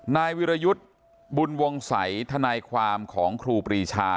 นายวิรยุทธ์บุญวงศัยทนายความของครูปรีชา